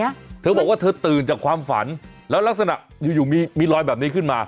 เธอบอกว่าเธอตื่นจากความฝันแล้วลักษณะอยู่อยู่มีรอยแบบนี้ขึ้นมา